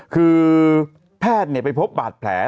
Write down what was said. คือแพทย์ไปพบบาดแผล